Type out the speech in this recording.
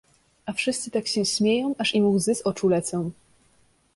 A wszyscy tak się śmieją, aż im łzy z oczu lecą.